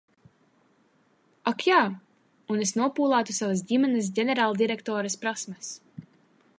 Ak jā – un es nopulētu savas ģimenes ģenerāldirektores prasmes.